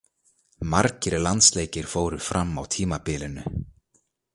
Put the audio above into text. Margir landsleikir fóru fram á tímabilinu.